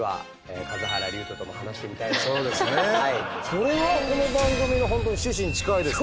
それはこの番組の本当に趣旨に近いですからね。